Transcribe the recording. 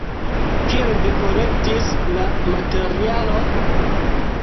Kiel vi kolektis la materialon?